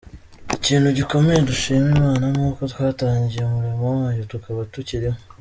Ikintu gikomeye dushima Imana ni uko twatangiye umurimo wayo tukaba tukiriho.